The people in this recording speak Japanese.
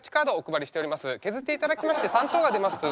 削っていただきまして３等が出ますと。